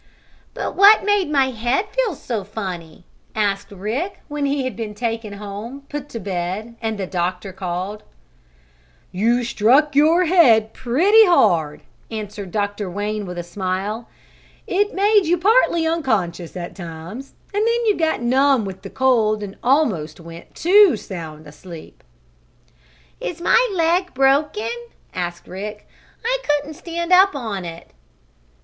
"But what made my head feel so funny?" asked Rick, when he had been taken home, put to bed and the doctor called. "You struck on your head pretty hard," answered Dr. Wayne with a smile. "It made you partly unconscious at times, and then you got numb with the cold, and almost went too sound asleep." "Is my leg broken?" asked Rick. "I couldn't stand up on it."